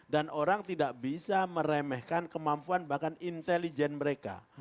karena tidak bisa meremehkan kemampuan bahkan intelijen mereka